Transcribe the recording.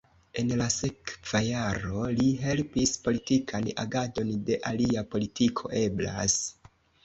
En la sekva jaro li helpis politikan agadon de Alia Politiko Eblas.